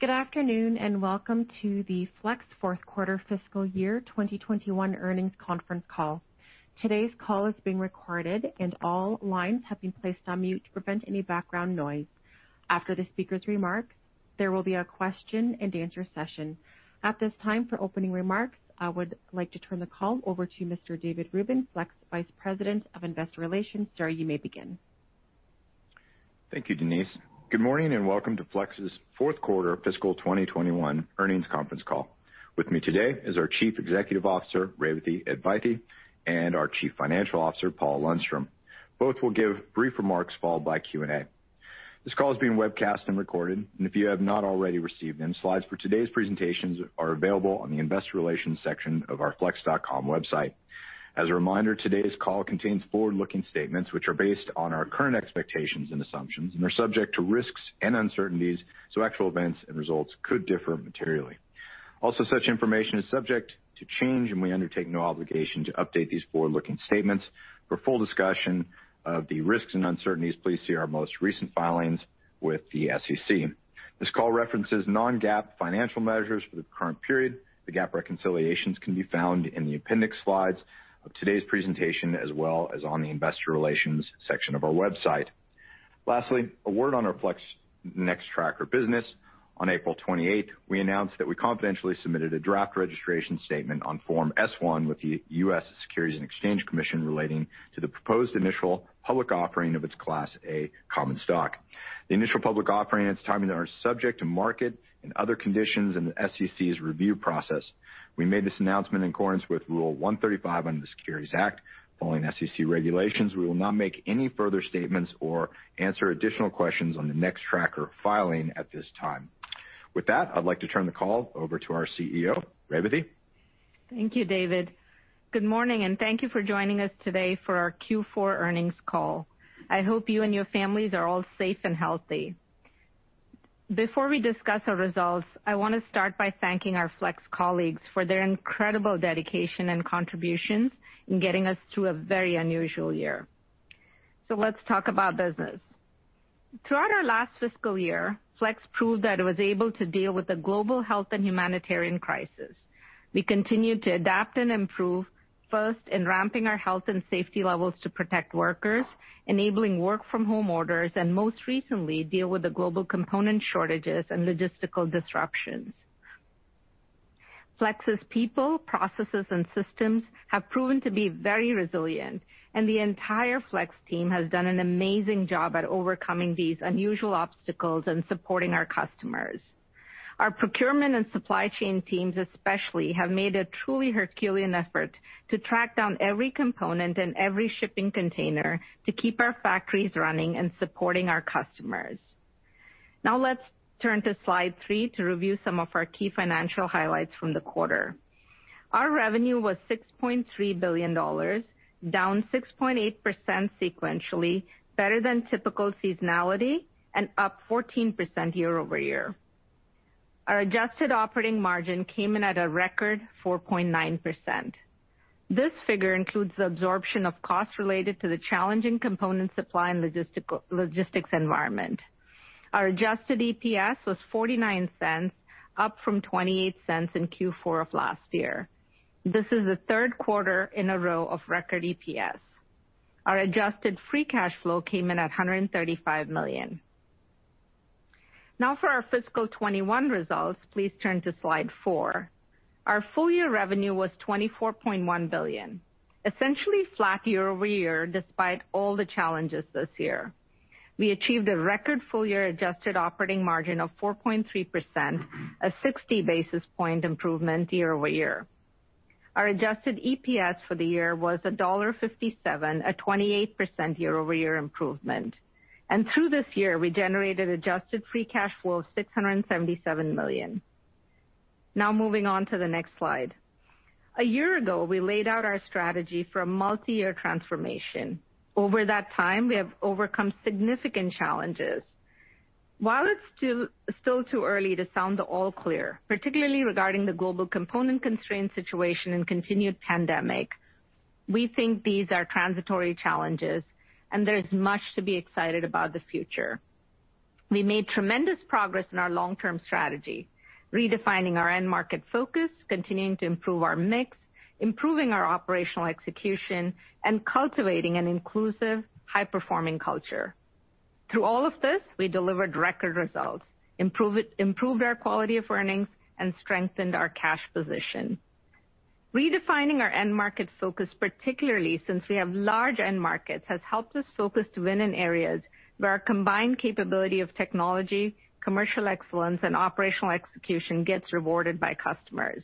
Good afternoon and welcome to the Flex Fourth Quarter Fiscal Year 2021 Earnings Conference Call. Today's call is being recorded, and all lines have been placed on mute to prevent any background noise. After the speaker's remarks, there will be a Q&A session. At this time, for opening remarks, I would like to turn the call over to Mr. David Rubin, Flex Vice President of Investor Relations. Sir, you may begin. Thank you, Denise. Good morning and welcome to Flex's Fourth Quarter Fiscal 2021 Earnings Conference Call. With me today is our Chief Executive Officer, Revathi Advaithi, and our Chief Financial Officer, Paul Lundstrom. Both will give brief remarks followed by Q&A. This call is being webcast and recorded, and if you have not already received insights, today's presentations are available on the Investor Relations section of our flex.com website. As a reminder, today's call contains forward-looking statements which are based on our current expectations and assumptions and are subject to risks and uncertainties, so actual events and results could differ materially. Also, such information is subject to change, and we undertake no obligation to update these forward-looking statements. For full discussion of the risks and uncertainties, please see our most recent filings with the SEC. This call references non-GAAP financial measures for the current period. The GAAP reconciliations can be found in the appendix slides of today's presentation, as well as on the Investor Relations section of our website. Lastly, a word on our Nextracker business. On April 28th, we announced that we confidentially submitted a draft registration statement on Form S-1 with the U.S. Securities and Exchange Commission relating to the proposed initial public offering of its Class A Common Stock. The initial public offering at its timing is subject to market and other conditions in the SEC's review process. We made this announcement in accordance with Rule 135 under the Securities Act, following SEC regulations. We will not make any further statements or answer additional questions on the Nextracker filing at this time. With that, I'd like to turn the call over to our CEO, Revathi. Thank you, David. Good morning, and thank you for joining us today for our Q4 Earnings Call. I hope you and your families are all safe and healthy. Before we discuss our results, I want to start by thanking our Flex colleagues for their incredible dedication and contributions in getting us through a very unusual year. So let's talk about business. Throughout our last fiscal year, Flex proved that it was able to deal with the global health and humanitarian crisis. We continued to adapt and improve, first in ramping our health and safety levels to protect workers, enabling work-from-home orders, and most recently, dealing with the global component shortages and logistical disruptions. Flex's people, processes, and systems have proven to be very resilient, and the entire Flex team has done an amazing job at overcoming these unusual obstacles and supporting our customers. Our procurement and supply chain teams, especially, have made a truly Herculean effort to track down every component and every shipping container to keep our factories running and supporting our customers. Now let's turn to slide three to review some of our key financial highlights from the quarter. Our revenue was $6.3 billion, down 6.8% sequentially, better than typical seasonality, and up 14% year over year. Our adjusted operating margin came in at a record 4.9%. This figure includes the absorption of costs related to the challenging component supply and logistics environment. Our adjusted EPS was $0.49, up from $0.28 in Q4 of last year. This is the third quarter in a row of record EPS. Our adjusted free cash flow came in at $135 million. Now for our Fiscal 2021 results, please turn to slide four. Our full-year revenue was $24.1 billion, essentially flat year over year despite all the challenges this year. We achieved a record full-year adjusted operating margin of 4.3%, a 60 basis point improvement year over year. Our adjusted EPS for the year was $1.57, a 28% year over year improvement. Through this year, we generated adjusted free cash flow of $677 million. Now moving on to the next slide. A year ago, we laid out our strategy for a multi-year transformation. Over that time, we have overcome significant challenges. While it's still too early to sound all clear, particularly regarding the global component constraint situation and continued pandemic, we think these are transitory challenges, and there's much to be excited about the future. We made tremendous progress in our long-term strategy, redefining our end market focus, continuing to improve our mix, improving our operational execution, and cultivating an inclusive, high-performing culture. Through all of this, we delivered record results, improved our quality of earnings, and strengthened our cash position. Redefining our end market focus, particularly since we have large end markets, has helped us focus to win in areas where our combined capability of technology, commercial excellence, and operational execution gets rewarded by customers.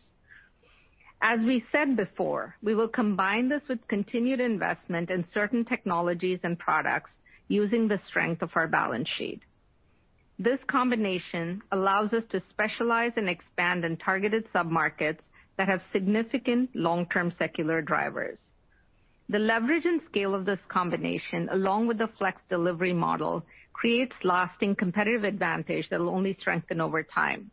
As we said before, we will combine this with continued investment in certain technologies and products using the strength of our balance sheet. This combination allows us to specialize and expand in targeted sub-markets that have significant long-term secular drivers. The leverage and scale of this combination, along with the Flex delivery model, creates lasting competitive advantage that will only strengthen over time.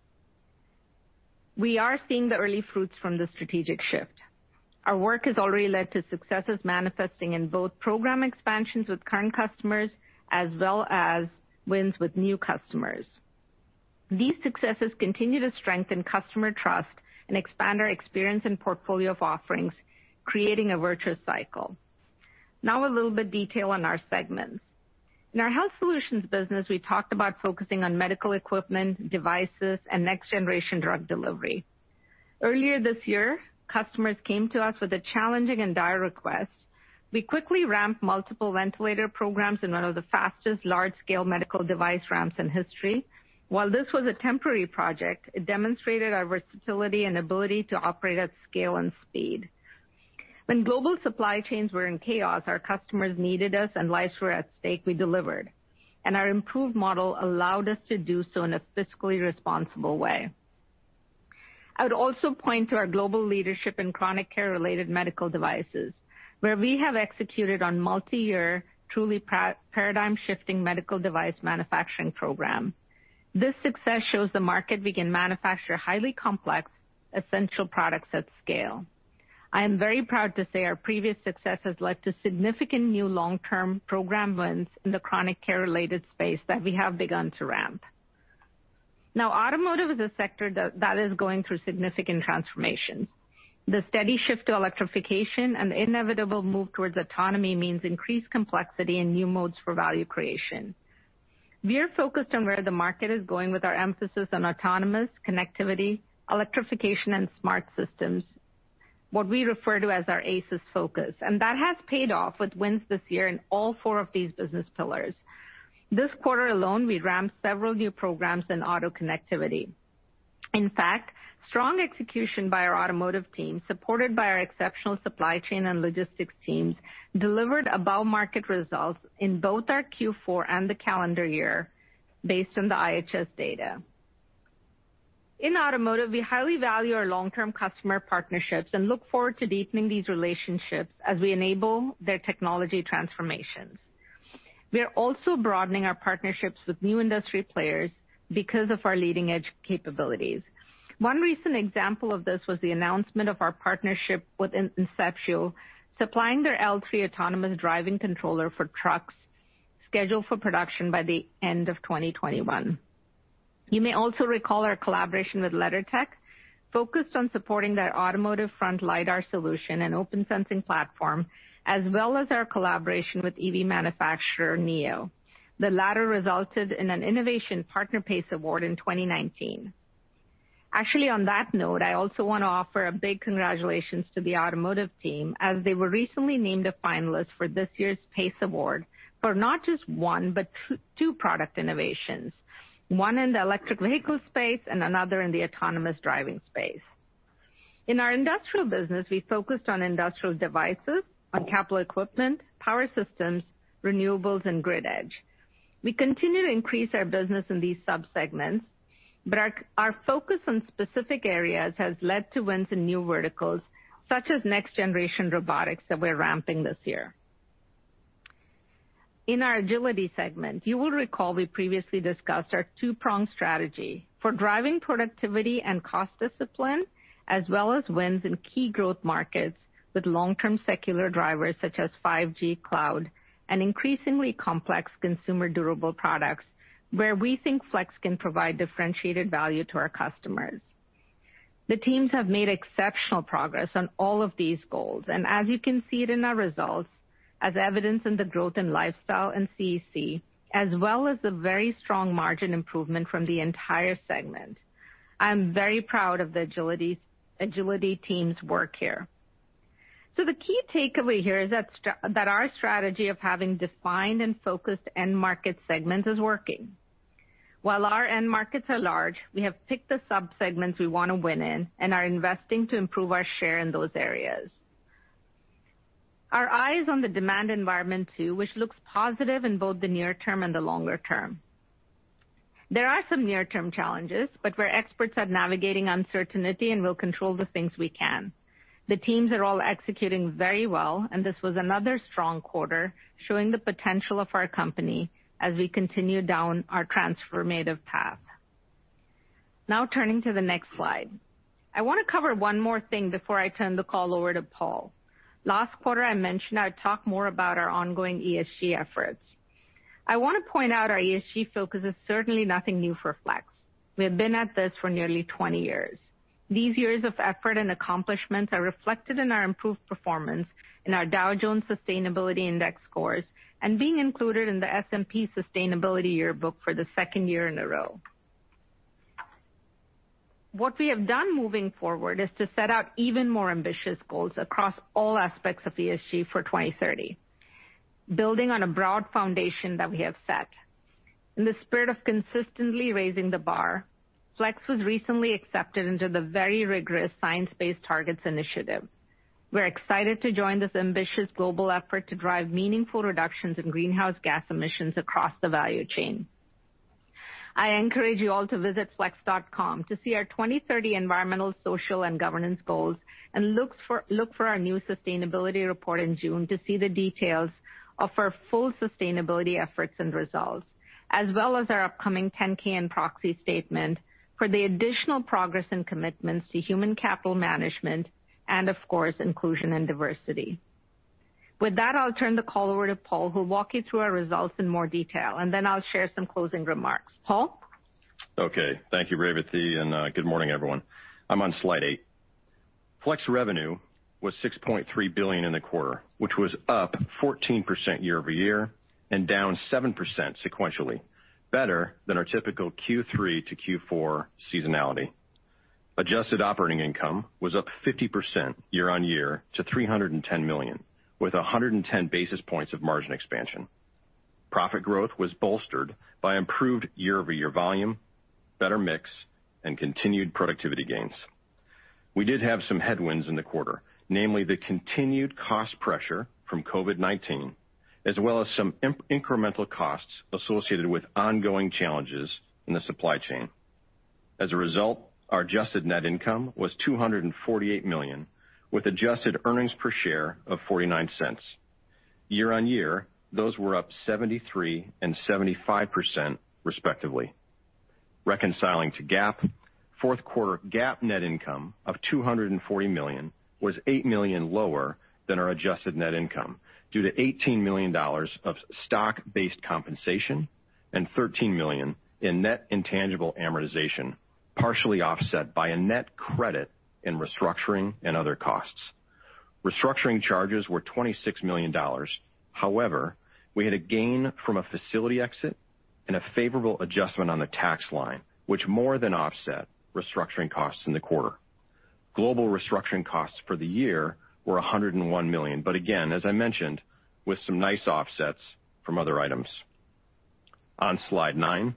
We are seeing the early fruits from the strategic shift. Our work has already led to successes manifesting in both program expansions with current customers as well as wins with new customers. These successes continue to strengthen customer trust and expand our experience and portfolio of offerings, creating a virtuous cycle. Now a little bit of detail on our segments. In our Health Solutions business, we talked about focusing on medical equipment, devices, and next-generation drug delivery. Earlier this year, customers came to us with a challenging and dire request. We quickly ramped multiple ventilator programs in one of the fastest large-scale medical device ramps in history. While this was a temporary project, it demonstrated our versatility and ability to operate at scale and speed. When global supply chains were in chaos, our customers needed us, and lives were at stake, we delivered. And our improved model allowed us to do so in a fiscally responsible way. I would also point to our global leadership in chronic care-related medical devices, where we have executed on a multi-year, truly paradigm-shifting medical device manufacturing program. This success shows the market we can manufacture highly complex, essential products at scale. I am very proud to say our previous success has led to significant new long-term program wins in the chronic care-related space that we have begun to ramp. Now, automotive is a sector that is going through significant transformations. The steady shift to electrification and the inevitable move towards autonomy means increased complexity and new modes for value creation. We are focused on where the market is going with our emphasis on autonomous connectivity, electrification, and smart systems, what we refer to as our ACES focus. That has paid off with wins this year in all four of these business pillars. This quarter alone, we ramped several new programs in auto connectivity. In fact, strong execution by our automotive team, supported by our exceptional supply chain and logistics teams, delivered above-market results in both our Q4 and the calendar year based on the IHS data. In automotive, we highly value our long-term customer partnerships and look forward to deepening these relationships as we enable their technology transformations. We are also broadening our partnerships with new industry players because of our leading-edge capabilities. One recent example of this was the announcement of our partnership with Inceptio, supplying their L3 autonomous driving controller for trucks scheduled for production by the end of 2021. You may also recall our collaboration with LeddarTech, focused on supporting their automotive front LiDAR solution and open-sensing platform, as well as our collaboration with EV manufacturer NIO. The latter resulted in an Innovation Partner PACE Award in 2019. Actually, on that note, I also want to offer a big congratulations to the automotive team, as they were recently named a finalist for this year's PACE Award for not just one but two product innovations, one in the electric vehicle space and another in the autonomous driving space. In our Industrial business, we focused on industrial devices, on capital equipment, power systems, renewables, and grid edge. We continue to increase our business in these subsegments, but our focus on specific areas has led to wins in new verticals, such as next-generation robotics that we're ramping this year. In our Agility segment, you will recall we previously discussed our two-prong strategy for driving productivity and cost discipline, as well as wins in key growth markets with long-term secular drivers such as 5G, cloud, and increasingly complex consumer durable products, where we think Flex can provide differentiated value to our customers. The teams have made exceptional progress on all of these goals, and as you can see in our results, as evidenced in the growth in Lifestyle and CEC, as well as the very strong margin improvement from the entire segment. I'm very proud of the Agility team's work here. So the key takeaway here is that our strategy of having defined and focused end market segments is working. While our end markets are large, we have picked the subsegments we want to win in and are investing to improve our share in those areas. Our eye is on the demand environment too, which looks positive in both the near term and the longer term. There are some near-term challenges, but we're experts at navigating uncertainty and will control the things we can. The teams are all executing very well, and this was another strong quarter showing the potential of our company as we continue down our transformative path. Now turning to the next slide, I want to cover one more thing before I turn the call over to Paul. Last quarter, I mentioned I'd talk more about our ongoing ESG efforts. I want to point out our ESG focus is certainly nothing new for Flex. We have been at this for nearly 20 years. These years of effort and accomplishments are reflected in our improved performance in our Dow Jones Sustainability Index scores and being included in the S&P Sustainability Yearbook for the second year in a row. What we have done moving forward is to set out even more ambitious goals across all aspects of ESG for 2030, building on a broad foundation that we have set. In the spirit of consistently raising the bar, Flex was recently accepted into the very rigorous Science-Based Targets initiative. We're excited to join this ambitious global effort to drive meaningful reductions in greenhouse gas emissions across the value chain. I encourage you all to visit flex.com to see our 2030 environmental, social, and governance goals and look for our new sustainability report in June to see the details of our full sustainability efforts and results, as well as our upcoming 10-K and proxy statement for the additional progress and commitments to human capital management and, of course, inclusion and diversity. With that, I'll turn the call over to Paul, who will walk you through our results in more detail, and then I'll share some closing remarks. Paul? Okay. Thank you, Revathi, and good morning, everyone. I'm on slide eight. Flex revenue was $6.3 billion in the quarter, which was up 14% year over year and down 7% sequentially, better than our typical Q3 to Q4 seasonality. Adjusted operating income was up 50% year on year to $310 million, with 110 basis points of margin expansion. Profit growth was bolstered by improved year-over-year volume, better mix, and continued productivity gains. We did have some headwinds in the quarter, namely the continued cost pressure from COVID-19, as well as some incremental costs associated with ongoing challenges in the supply chain. As a result, our adjusted net income was $248 million, with adjusted earnings per share of $0.49. Year on year, those were up 73% and 75%, respectively. Reconciling to GAAP, fourth quarter GAAP net income of $240 million was $8 million lower than our adjusted net income due to $18 million of stock-based compensation and $13 million in net intangible amortization, partially offset by a net credit in restructuring and other costs. Restructuring charges were $26 million. However, we had a gain from a facility exit and a favorable adjustment on the tax line, which more than offset restructuring costs in the quarter. Global restructuring costs for the year were $101 million, but again, as I mentioned, with some nice offsets from other items. On slide nine,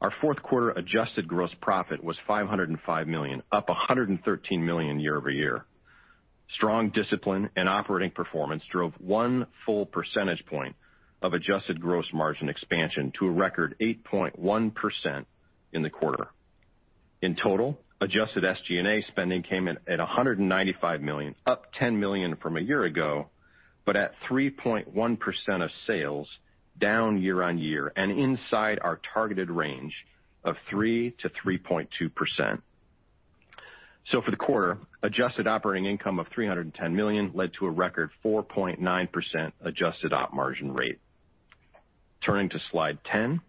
our fourth quarter adjusted gross profit was $505 million, up $113 million year over year. Strong discipline and operating performance drove one full percentage point of adjusted gross margin expansion to a record 8.1% in the quarter. In total, adjusted SG&A spending came in at $195 million, up $10 million from a year ago, but at 3.1% of sales, down year on year and inside our targeted range of 3%-3.2%. So for the quarter, adjusted operating income of $310 million led to a record 4.9% adjusted op margin rate. Turning to slide ten,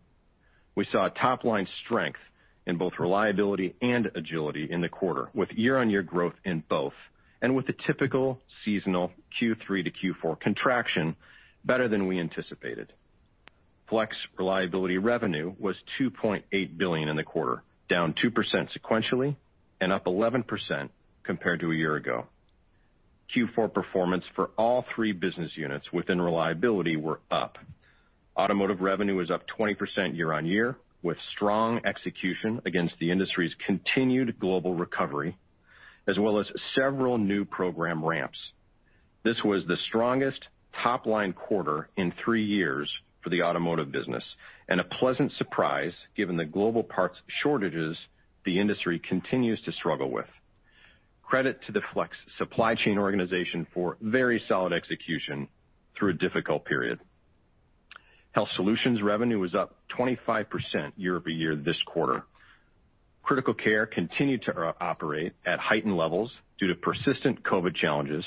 we saw top-line strength in both reliability and agility in the quarter, with year-on-year growth in both and with the typical seasonal Q3 to Q4 contraction better than we anticipated. Flex Reliability revenue was $2.8 billion in the quarter, down 2% sequentially and up 11% compared to a year ago. Q4 performance for all three business units within reliability were up. Automotive revenue was up 20% year on year, with strong execution against the industry's continued global recovery, as well as several new program ramps. This was the strongest top-line quarter in three years for the automotive business, and a pleasant surprise given the global parts shortages the industry continues to struggle with. Credit to the Flex supply chain organization for very solid execution through a difficult period. Health solutions revenue was up 25% year over year this quarter. Critical care continued to operate at heightened levels due to persistent COVID challenges.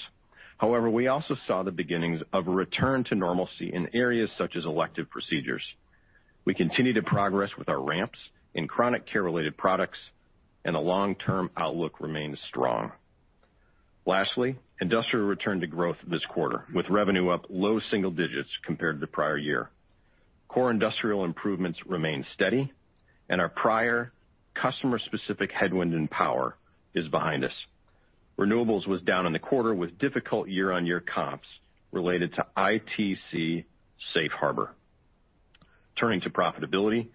However, we also saw the beginnings of a return to normalcy in areas such as elective procedures. We continued to progress with our ramps in chronic care-related products, and the long-term outlook remained strong. Lastly, Industrial returned to growth this quarter, with revenue up low single digits compared to the prior year. Core Industrial improvements remained steady, and our prior customer-specific headwind in power is behind us. Renewables was down in the quarter with difficult year-on-year comps related to ITC Safe Harbor. Turning to profitability,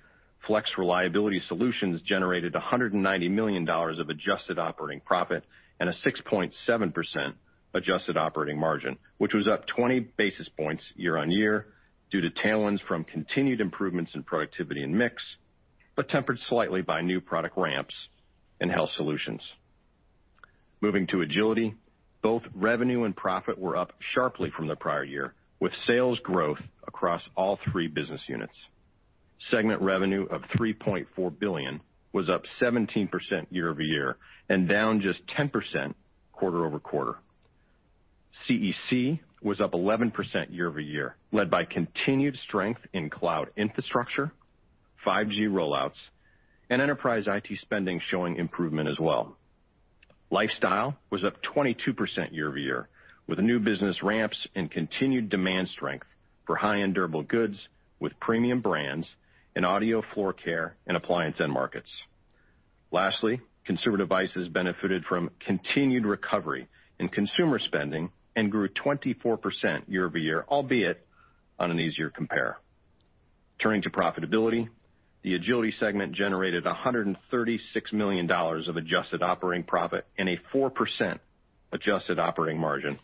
Flex Reliability Solutions generated $190 million of adjusted operating profit and a 6.7% adjusted operating margin, which was up 20 basis points year on year due to tailwinds from continued improvements in productivity and mix, but tempered slightly by new product ramps in Health Solutions. Moving to Agility, both revenue and profit were up sharply from the prior year, with sales growth across all three business units. Segment revenue of $3.4 billion was up 17% year over year and down just 10% quarter over quarter. CEC was up 11% year over year, led by continued strength in cloud infrastructure, 5G rollouts, and enterprise IT spending showing improvement as well. Lifestyle was up 22% year over year, with new business ramps and continued demand strength for high-end durable goods with premium brands and audio floor care and appliance end markets. Lastly, Consumer Devices benefited from continued recovery in consumer spending and grew 24% year over year, albeit on an easier compare. Turning to profitability, the Agility segment generated $136 million of adjusted operating profit and a 4% adjusted operating margin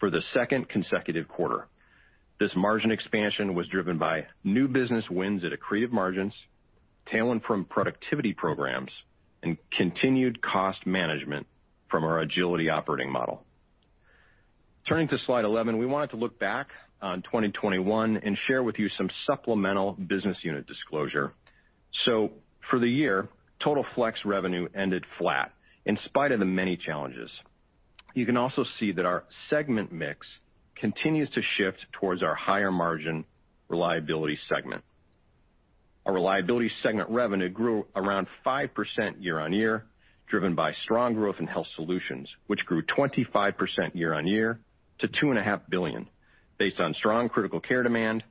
for the second consecutive quarter. This margin expansion was driven by new business wins at accretive margins, tailwind from productivity programs, and continued cost management from our Agility operating model. Turning to slide 11, we wanted to look back on 2021 and share with you some supplemental business unit disclosure. So for the year, total Flex revenue ended flat in spite of the many challenges. You can also see that our segment mix continues to shift towards our higher margin reliability segment. Our reliability segment revenue grew around 5% year on year, driven by strong growth in health solutions, which grew 25% year on year to $2.5 billion, based on strong critical care demand,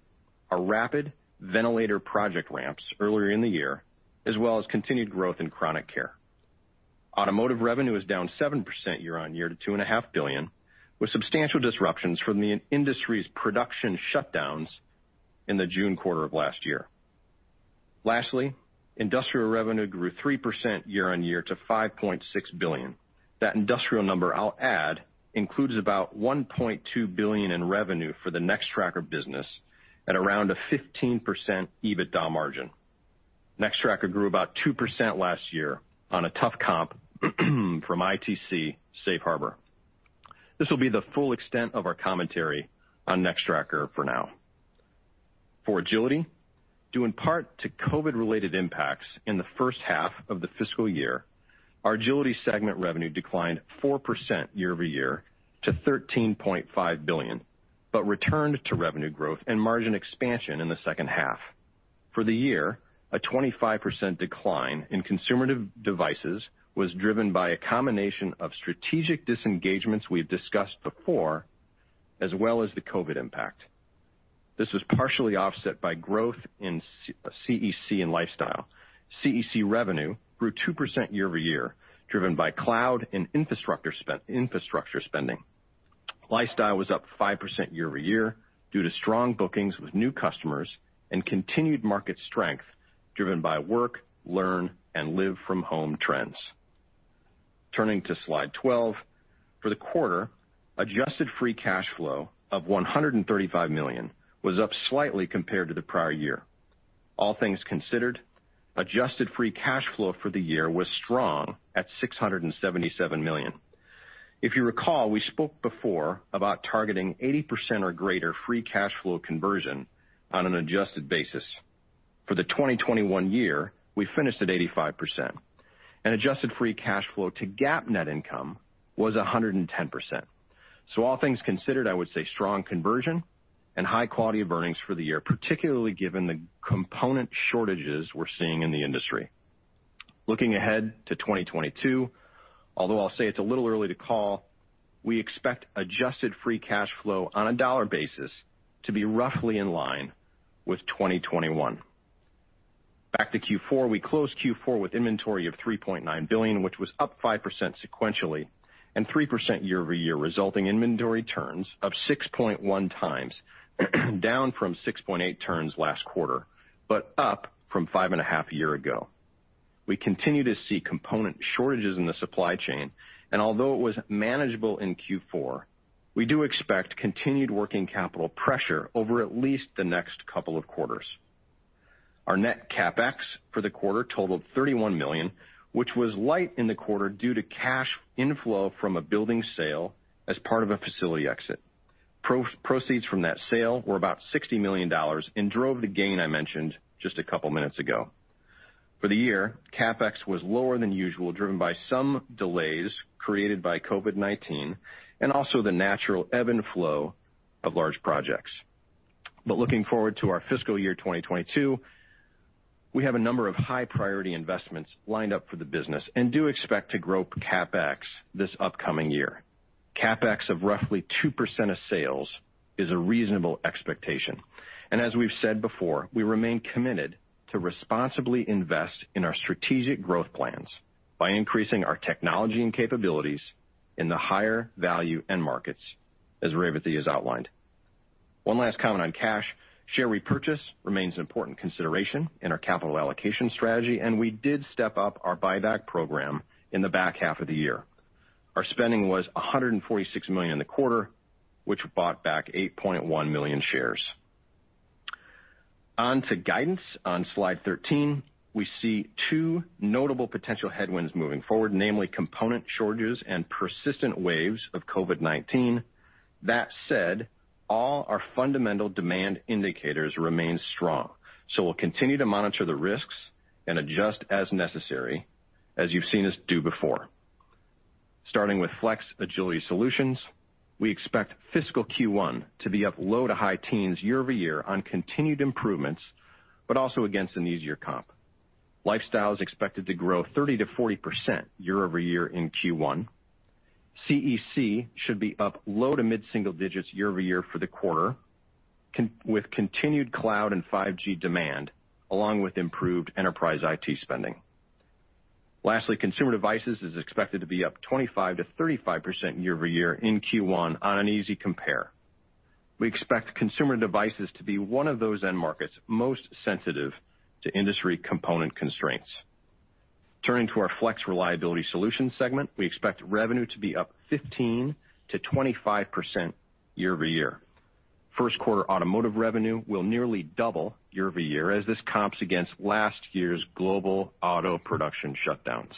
our rapid ventilator project ramps earlier in the year, as well as continued growth in chronic care. Automotive revenue is down 7% year on year to $2.5 billion, with substantial disruptions from the industry's production shutdowns in the June quarter of last year. Lastly, industrial revenue grew 3% year on year to $5.6 billion. That industrial number, I'll add, includes about $1.2 billion in revenue for the Nextracker business at around a 15% EBITDA margin. Nextracker grew about 2% last year on a tough comp from ITC Safe Harbor. This will be the full extent of our commentary on Nextracker for now. For Agility, due in part to COVID-related impacts in the first half of the fiscal year, our Agility segment revenue declined 4% year over year to $13.5 billion, but returned to revenue growth and margin expansion in the second half. For the year, a 25% decline in Consumer Devices was driven by a combination of strategic disengagements we've discussed before, as well as the COVID impact. This was partially offset by growth in CEC and Lifestyle. CEC revenue grew 2% year over year, driven by cloud and infrastructure spending. Lifestyle was up 5% year over year due to strong bookings with new customers and continued market strength, driven by work, learn, and live-from-home trends. Turning to slide 12, for the quarter, adjusted free cash flow of $135 million was up slightly compared to the prior year. All things considered, adjusted free cash flow for the year was strong at $677 million. If you recall, we spoke before about targeting 80% or greater free cash flow conversion on an adjusted basis. For the 2021 year, we finished at 85%. And adjusted free cash flow to GAAP net income was 110%. So all things considered, I would say strong conversion and high quality of earnings for the year, particularly given the component shortages we're seeing in the industry. Looking ahead to 2022, although I'll say it's a little early to call, we expect adjusted free cash flow on a dollar basis to be roughly in line with 2021. Back to Q4, we closed Q4 with inventory of $3.9 billion, which was up 5% sequentially and 3% year over year, resulting in inventory turns of 6.1x, down from 6.8 turns last quarter, but up from 5.5 a year ago. We continue to see component shortages in the supply chain, and although it was manageable in Q4, we do expect continued working capital pressure over at least the next couple of quarters. Our net CapEx for the quarter totaled $31 million, which was light in the quarter due to cash inflow from a building sale as part of a facility exit. Proceeds from that sale were about $60 million and drove the gain I mentioned just a couple of minutes ago. For the year, CapEx was lower than usual, driven by some delays created by COVID-19 and also the natural ebb and flow of large projects. But looking forward to our fiscal year 2022, we have a number of high-priority investments lined up for the business and do expect to grow CapEx this upcoming year. CapEx of roughly 2% of sales is a reasonable expectation. And as we've said before, we remain committed to responsibly invest in our strategic growth plans by increasing our technology and capabilities in the higher value end markets, as Revathi has outlined. One last comment on cash, share repurchase remains an important consideration in our capital allocation strategy, and we did step up our buyback program in the back half of the year. Our spending was $146 million in the quarter, which bought back 8.1 million shares. On to guidance. On slide 13, we see two notable potential headwinds moving forward, namely component shortages and persistent waves of COVID-19. That said, all our fundamental demand indicators remain strong. So we'll continue to monitor the risks and adjust as necessary, as you've seen us do before. Starting with Flex Agility Solutions, we expect fiscal Q1 to be up low to high teens year over year on continued improvements, but also against an easier comp. Lifestyle is expected to grow 30%-40% year over year in Q1. CEC should be up low to mid-single digits year over year for the quarter, with continued cloud and 5G demand, along with improved enterprise IT spending. Lastly, Consumer Devices is expected to be up 25%-35% year over year in Q1 on an easy compare. We expect consumer devices to be one of those end markets most sensitive to industry component constraints. Turning to our Flex Reliability Solutions segment, we expect revenue to be up 15%-25% year over year. First quarter automotive revenue will nearly double year over year as this comps against last year's global auto production shutdowns.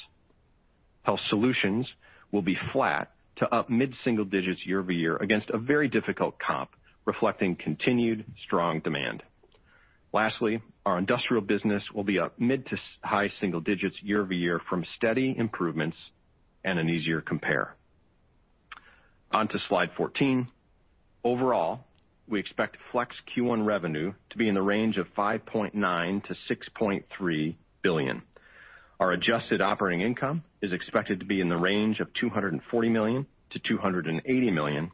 Health Solutions will be flat to up mid-single digits year over year against a very difficult comp reflecting continued strong demand. Lastly, our Industrial business will be up mid- to high-single digits year over year from steady improvements and an easier compare. On to slide 14. Overall, we expect Flex Q1 revenue to be in the range of $5.9 billion-$6.3 billion. Our adjusted operating income is expected to be in the range of $240 million-$280 million.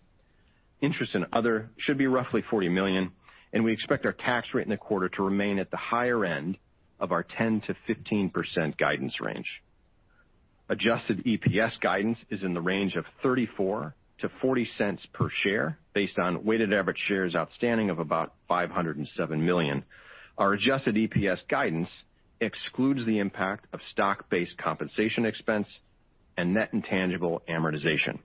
Interest and other should be roughly $40 million, and we expect our tax rate in the quarter to remain at the higher end of our 10%-15% guidance range. Adjusted EPS guidance is in the range of $0.34-$0.40 per share, based on weighted average shares outstanding of about 507 million. Our adjusted EPS guidance excludes the impact of stock-based compensation expense and net intangible amortization.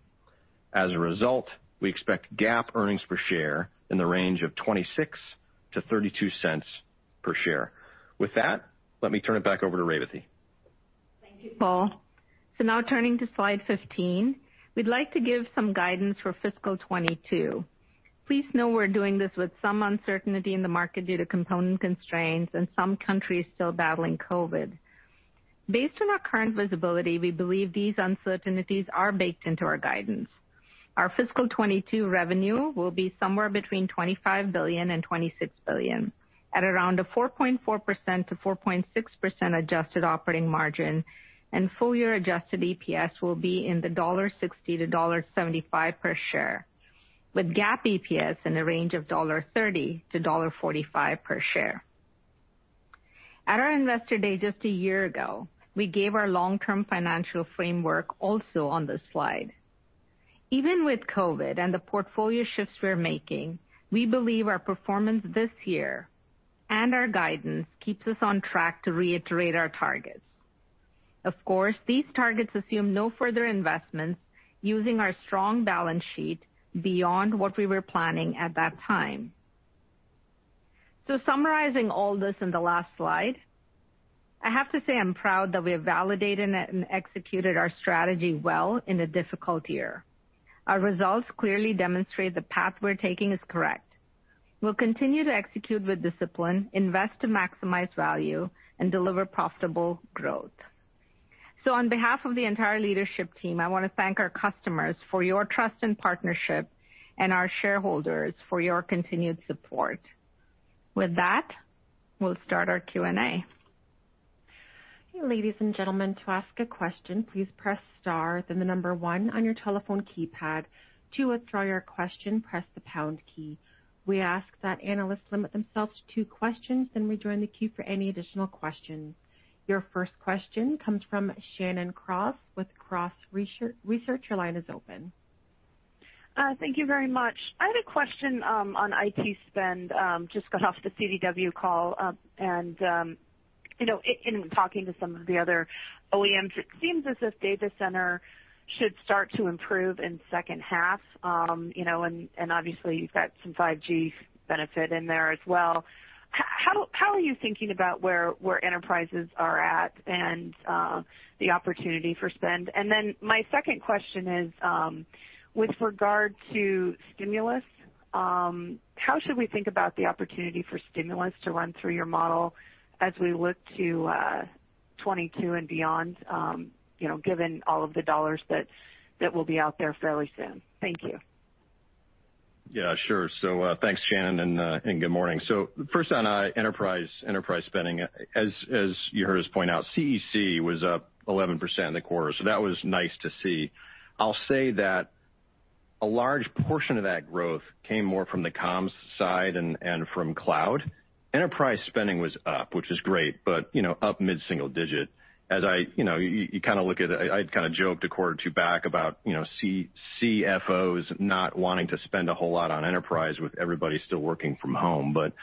As a result, we expect GAAP earnings per share in the range of $0.26-$0.32 per share. With that, let me turn it back over to Revathi. Thank you, Paul. So now turning to slide 15, we'd like to give some guidance for fiscal 2022. Please know we're doing this with some uncertainty in the market due to component constraints and some countries still battling COVID. Based on our current visibility, we believe these uncertainties are baked into our guidance. Our fiscal 2022 revenue will be somewhere between $25 billion-$26 billion, at around a 4.4%-4.6% adjusted operating margin, and full-year adjusted EPS will be in the $1.60-$1.75 per share, with GAAP EPS in the range of $1.30-$1.45 per share. At our investor day just a year ago, we gave our long-term financial framework also on this slide. Even with COVID and the portfolio shifts we're making, we believe our performance this year and our guidance keeps us on track to reiterate our targets. Of course, these targets assume no further investments using our strong balance sheet beyond what we were planning at that time. So summarizing all this in the last slide, I have to say I'm proud that we have validated and executed our strategy well in a difficult year. Our results clearly demonstrate the path we're taking is correct. We'll continue to execute with discipline, invest to maximize value, and deliver profitable growth. So on behalf of the entire leadership team, I want to thank our customers for your trust and partnership, and our shareholders for your continued support. With that, we'll start our Q&A. Ladies and gentlemen, to ask a question, please press star, then the number one on your telephone keypad. To withdraw your question, press the pound key. We ask that analysts limit themselves to two questions, then we join the queue for any additional questions. Your first question comes from Shannon Cross with Cross Research. Your line is open. Thank you very much. I had a question on IT spend. Just got off the CDW call, and in talking to some of the other OEMs, it seems as if data center should start to improve in the second half. And obviously, you've got some 5G benefit in there as well. How are you thinking about where enterprises are at and the opportunity for spend? And then my second question is, with regard to stimulus, how should we think about the opportunity for stimulus to run through your model as we look to 2022 and beyond, given all of the dollars that will be out there fairly soon? Thank you. Yeah, sure. So thanks, Shannon, and good morning. So first on enterprise spending, as you heard us point out, CEC was up 11% in the quarter. So that was nice to see. I'll say that a large portion of that growth came more from the comps side and from cloud. Enterprise spending was up, which is great, but up mid-single digit. As you kind of look at it, I kind of joked a quarter or two back about CFOs not wanting to spend a whole lot on enterprise with everybody still working from home. But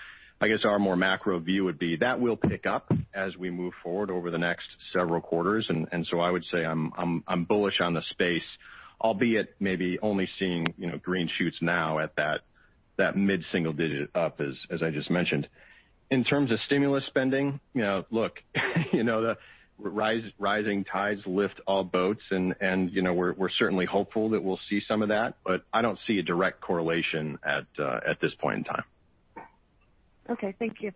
I guess our more macro view would be that will pick up as we move forward over the next several quarters. And so I would say I'm bullish on the space, albeit maybe only seeing green shoots now at that mid-single digit up, as I just mentioned. In terms of stimulus spending, look, rising tides lift all boats, and we're certainly hopeful that we'll see some of that, but I don't see a direct correlation at this point in time. Okay. Thank you.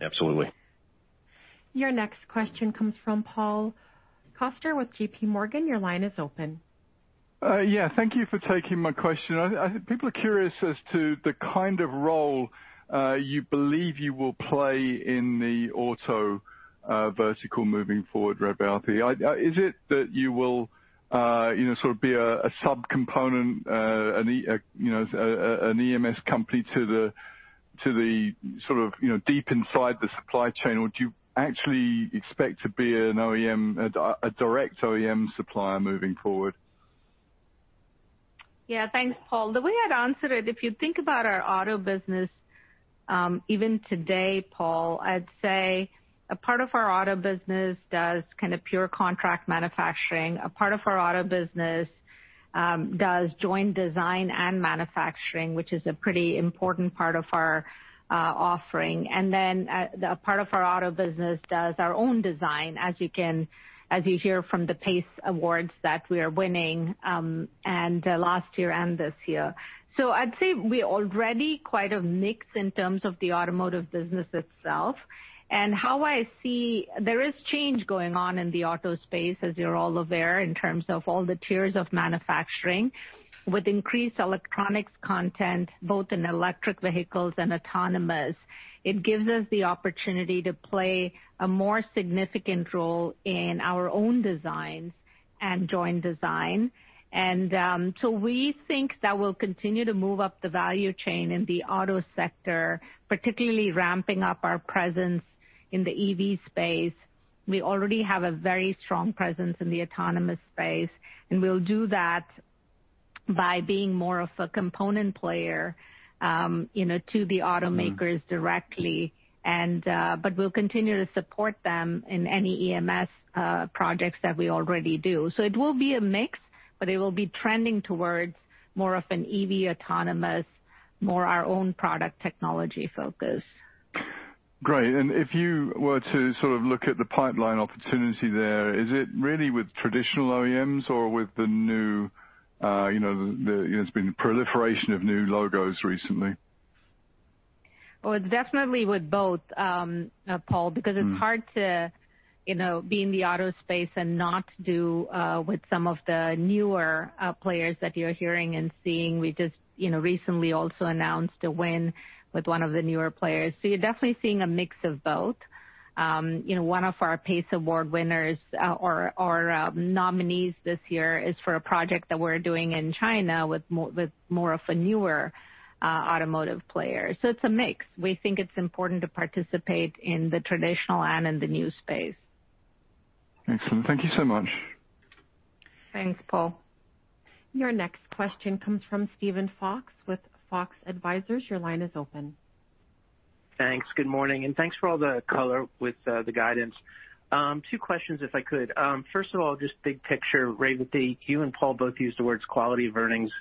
Absolutely. Your next question comes from Paul Coster with J.P. Morgan. Your line is open. Yeah. Thank you for taking my question. People are curious as to the kind of role you believe you will play in the auto vertical moving forward, Revathi. Is it that you will sort of be a subcomponent, an EMS company to the sort of deep inside the supply chain, or do you actually expect to be a direct OEM supplier moving forward? Yeah. Thanks, Paul. The way I'd answer it, if you think about our auto business, even today, Paul, I'd say a part of our auto business does kind of pure contract manufacturing. A part of our auto business does joint design and manufacturing, which is a pretty important part of our offering. And then a part of our auto business does our own design, as you can hear from the PACE Awards that we are winning last year and this year. So I'd say we already quite a mix in terms of the automotive business itself. And how I see there is change going on in the auto space, as you're all aware, in terms of all the tiers of manufacturing with increased electronics content, both in electric vehicles and autonomous. It gives us the opportunity to play a more significant role in our own designs and joint design. And so we think that we'll continue to move up the value chain in the auto sector, particularly ramping up our presence in the EV space. We already have a very strong presence in the autonomous space, and we'll do that by being more of a component player to the automakers directly. But we'll continue to support them in any EMS projects that we already do. So it will be a mix, but it will be trending towards more of an EV autonomous, more our own product technology focus. Great. And if you were to sort of look at the pipeline opportunity there, is it really with traditional OEMs or with the new? There has been a proliferation of new logos recently. Well, it is definitely with both, Paul, because it is hard to be in the auto space and not do with some of the newer players that you are hearing and seeing. We just recently also announced a win with one of the newer players. So you are definitely seeing a mix of both. One of our PACE Award winners or nominees this year is for a project that we are doing in China with more of a newer automotive player. So it is a mix. We think it is important to participate in the traditional and in the new space. Excellent. Thank you so much. Thanks, Paul. Your next question comes from Steven Fox with Fox Advisors. Your line is open. Thanks. Good morning. And thanks for all the color with the guidance. Two questions, if I could. First of all, just big picture, Revathi, you and Paul both used the words quality of earnings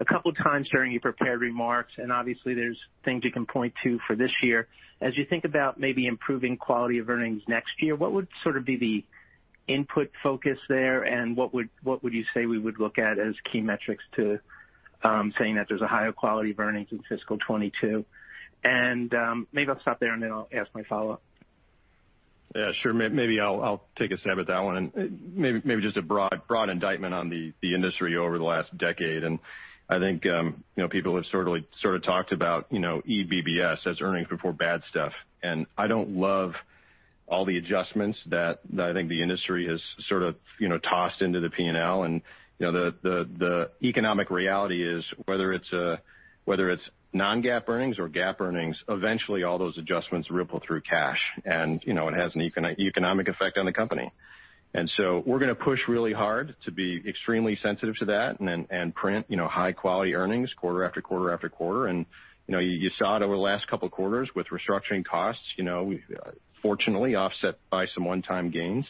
a couple of times during your prepared remarks. And obviously, there's things you can point to for this year. As you think about maybe improving quality of earnings next year, what would sort of be the input focus there, and what would you say we would look at as key metrics to saying that there's a higher quality of earnings in fiscal '22? And maybe I'll stop there, and then I'll ask my follow-up. Yeah, sure. Maybe I'll take a stab at that one. And maybe just a broad indictment on the industry over the last decade. I think people have sort of talked about EBITDA as earnings before bad stuff. I don't love all the adjustments that I think the industry has sort of tossed into the P&L. The economic reality is, whether it's Non-GAAP earnings or GAAP earnings, eventually all those adjustments ripple through cash, and it has an economic effect on the company. We're going to push really hard to be extremely sensitive to that and print high-quality earnings quarter after quarter after quarter. You saw it over the last couple of quarters with restructuring costs, fortunately offset by some one-time gains.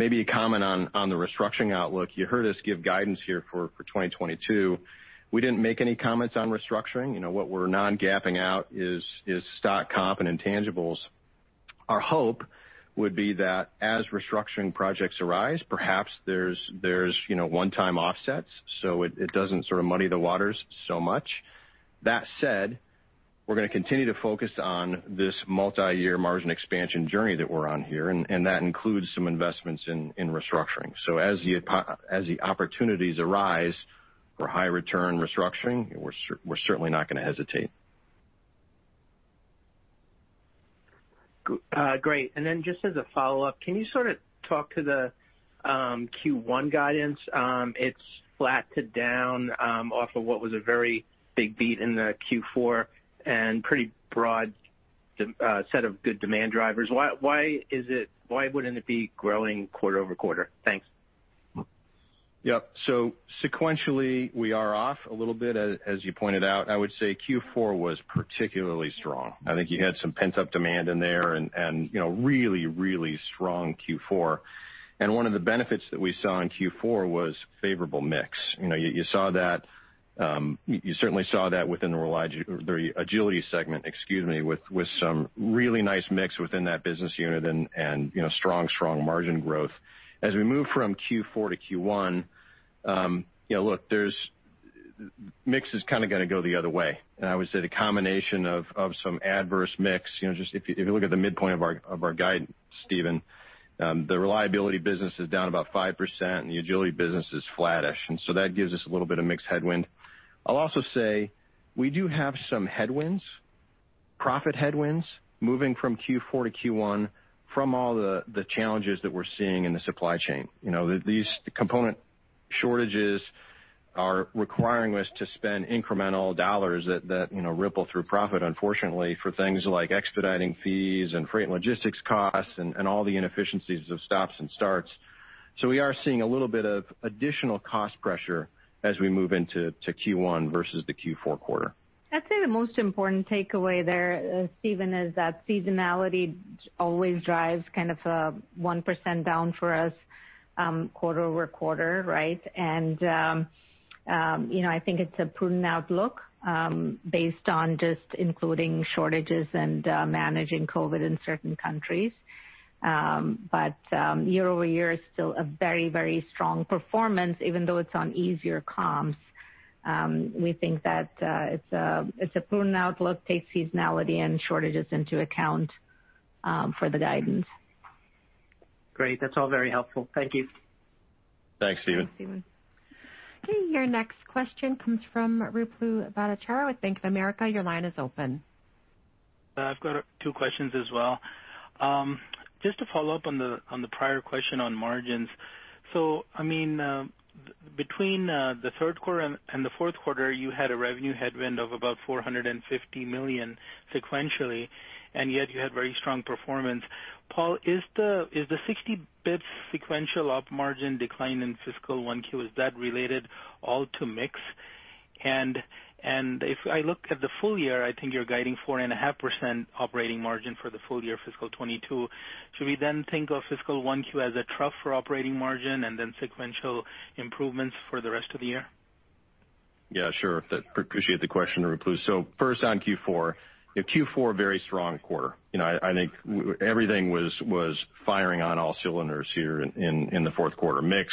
Maybe a comment on the restructuring outlook. You heard us give guidance here for 2022. We didn't make any comments on restructuring. What we're Non-GAAPing out is stock comp and intangibles. Our hope would be that as restructuring projects arise, perhaps there's one-time offsets so it doesn't sort of muddy the waters so much. That said, we're going to continue to focus on this multi-year margin expansion journey that we're on here, and that includes some investments in restructuring. So as the opportunities arise for high-return restructuring, we're certainly not going to hesitate. Great. And then just as a follow-up, can you sort of talk to the Q1 guidance? It's flat to down off of what was a very big beat in the Q4 and pretty broad set of good demand drivers. Why wouldn't it be growing quarter over quarter? Thanks. Yep. So sequentially, we are off a little bit, as you pointed out. I would say Q4 was particularly strong. I think you had some pent-up demand in there and really, really strong Q4. One of the benefits that we saw in Q4 was a favorable mix. You certainly saw that within the agility segment, excuse me, with some really nice mix within that business unit and strong, strong margin growth. As we move from Q4 to Q1, look, the mix is kind of going to go the other way. I would say the combination of some adverse mix, just if you look at the midpoint of our guidance, Steven, the reliability business is down about 5%, and the agility business is flattish. So that gives us a little bit of mixed headwind. I'll also say we do have some headwinds, profit headwinds moving from Q4 to Q1 from all the challenges that we're seeing in the supply chain. These component shortages are requiring us to spend incremental dollars that ripple through profit, unfortunately, for things like expediting fees and freight and logistics costs and all the inefficiencies of stops and starts. So we are seeing a little bit of additional cost pressure as we move into Q1 versus the Q4 quarter. I'd say the most important takeaway there, Steven, is that seasonality always drives kind of a 1% down for us quarter over quarter, right? And I think it's a prudent outlook based on just including shortages and managing COVID in certain countries. But year over year is still a very, very strong performance, even though it's on easier comps. We think that it's a prudent outlook, takes seasonality and shortages into account for the guidance. Great. That's all very helpful. Thank you. Thanks, Steven. Thanks, Steven. Your next question comes from Ruplu Bhattacharya, Bank of America. Your line is open. I've got two questions as well. Just to follow up on the prior question on margins. So, I mean, between the third quarter and the fourth quarter, you had a revenue headwind of about $450 million sequentially, and yet you had very strong performance. Paul, is the 60 basis points sequential margin decline in fiscal 1Q, is that related all to mix? And if I look at the full year, I think you're guiding 4.5% operating margin for the full year, fiscal 2022. Should we then think of fiscal 1Q as a trough for operating margin and then sequential improvements for the rest of the year? Yeah, sure. Appreciate the question, Ruplu. So first on Q4, Q4 very strong quarter. I think everything was firing on all cylinders here in the fourth quarter. Mix